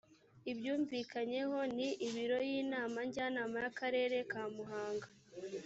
ibyumvikanyeho ni ibiro y inama njyanama yakarere ka muhanga